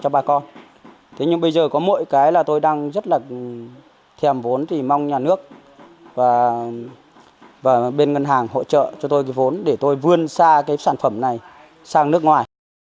thế nhưng bây giờ có mỗi cái là tôi đang rất là thèm vốn thì mong nhà nước và bên ngân hàng hỗ trợ cho tôi cái vốn để tôi vươn xa cái sản phẩm này sang nước ngoài